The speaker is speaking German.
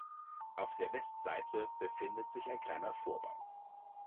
Auf der Westseite befindet sich ein kleiner Vorbau.